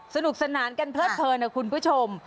สนุกสนานกันเพลิดเพลินนะคุณผู้ชม